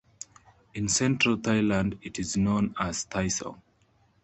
In central Thailand, it is known as Thai Song.